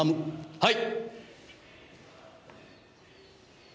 はい！